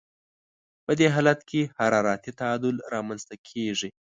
په دې حالت کې حرارتي تعادل رامنځته کیږي.